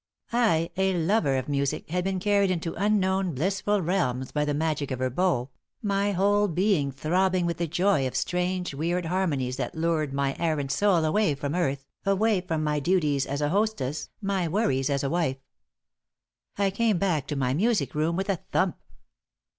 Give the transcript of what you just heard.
I, a lover of music, had been carried into unknown, blissful realms by the magic of her bow, my whole being throbbing with the joy of strange, weird harmonies that lured my errant soul away from earth, away from my duties as a hostess, my worries as a wife. I came back to my music room with a thump.